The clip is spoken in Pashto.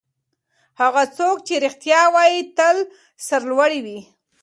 هغه څوک چې رښتیا وايي تل سرلوړی وي.